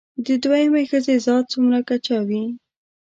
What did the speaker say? د دوهمې ښځې ذات څومره کچه وي